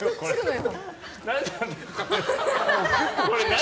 何？